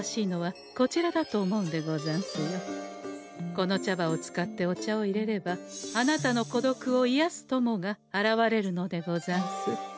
この茶葉を使ってお茶をいれればあなたのこどくをいやす友が現れるのでござんす。